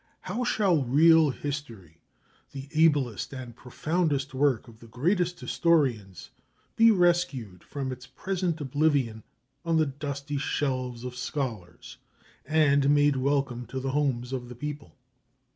How shall real history, the ablest and profoundest work of the greatest historians, be rescued from its present oblivion on the dusty shelves of scholars, and made welcome to the homes of the people?